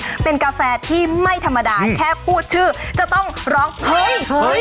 เป็นกาแฟที่ไม่ธรรมดาแค่พูดชื่อจะต้องร้องเฮ้ยเฮ้ย